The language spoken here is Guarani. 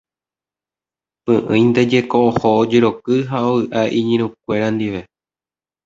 Py'ỹinte jeko oho ojeroky ha ovy'a iñirũnguéra ndive.